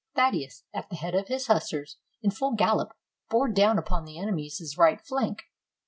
Thaddeus, at the head of his hussars, in full gallop bore down upon the enemy's right flank.